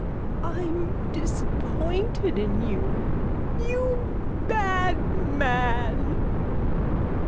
_ I'm disappointed in you! You bad man!